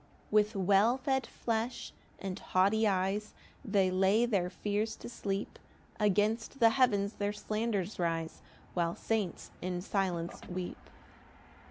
3 "With well fed flesh and haughty eyes "They lay their fears to sleep; "Against the heavens their slanders rise, "While saints in silence weep.